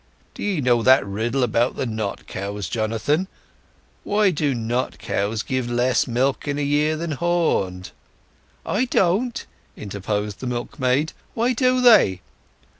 Do ye know that riddle about the nott cows, Jonathan? Why do nott cows give less milk in a year than horned?" "I don't!" interposed the milkmaid, "Why do they?"